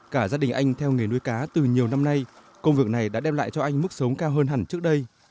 cả gia đình anh theo nghề nuôi cá từ nhiều năm nay công việc này đã đem lại cho anh mức sống cao hơn hẳn trước đây